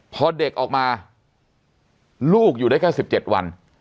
พอเด็กออกมาลูกอยู่ได้แค่๑๗วัน